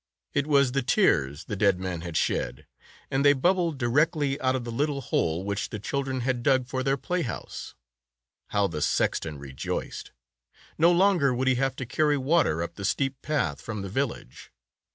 It was the tears the dead man had shed, and they bubbled directly out of the little hole which the children had dug for their playhouse. How the sexton rejoiced! No longer would he have to carry water up the steep path from the village.